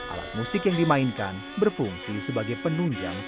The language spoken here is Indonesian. alat musik yang dimainkan berfungsi sebagai penunjang